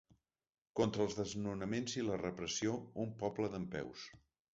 Contra els desnonaments i la repressió, un poble dempeus!